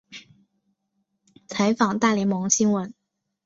采访大联盟新闻。